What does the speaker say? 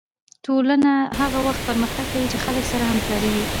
ټولنه هغه وخت پرمختګ کوي چې خلک سره همکاره وي